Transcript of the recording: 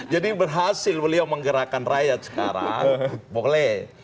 jadi berhasil beliau menggerakkan rakyat sekarang boleh